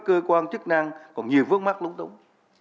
và các bộ ngành thực hiện chức năng còn nhiều vướng mắt lúng túng